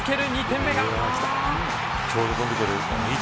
２点目が。